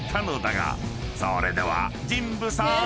［それでは神部さーん！］